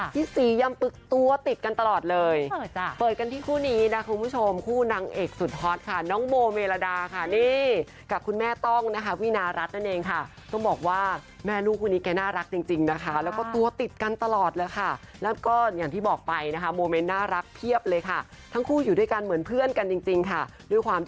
สียำปึกตัวติดกันตลอดเลยเปิดกันที่คู่นี้นะคุณผู้ชมคู่นางเอกสุดฮอตค่ะน้องโบเมรดาค่ะนี่กับคุณแม่ต้องนะคะวินารัฐนั่นเองค่ะต้องบอกว่าแม่ลูกคู่นี้แกน่ารักจริงนะคะแล้วก็ตัวติดกันตลอดเลยค่ะแล้วก็อย่างที่บอกไปนะคะโมเมนต์น่ารักเพียบเลยค่ะทั้งคู่อยู่ด้วยกันเหมือนเพื่อนกันจริงค่ะด้วยความ